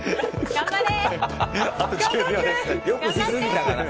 頑張れ！